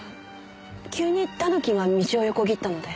急にタヌキが道を横切ったので。